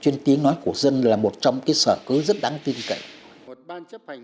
chuyên tiếng nói của dân là một trong cái sở cứu rất đáng tin cậy